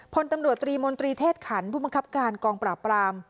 พลตำรวจตรีมนตรีเทศขันผู้บังคับการกองปราบปราม